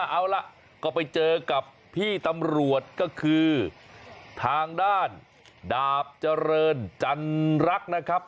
เอาล่ะก็ไปเจอกับพี่ตำรวจก็คือทางด้านดาบเจริญจันรักนะครับ